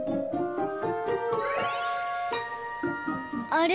あれ？